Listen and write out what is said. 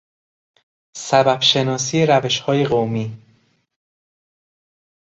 سبب شناسی روشهای قومی